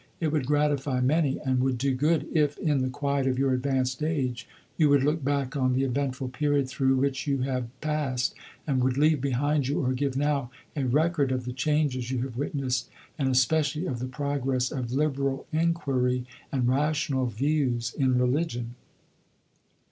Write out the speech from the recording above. It would gratify many, and would do good, if, in the quiet of your advanced age, you would look back on the eventful period through which you have passed, and would leave behind you, or give now, a record of the changes you have witnessed, and especially of the progress of liberal inquiry and rational views in religion."